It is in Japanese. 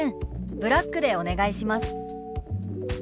ブラックでお願いします」。